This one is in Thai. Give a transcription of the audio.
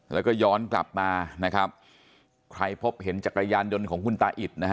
แล้วก็ย้อนกลับมานะครับใครพบเห็นจักรยานยนต์ของคุณตาอิดนะฮะ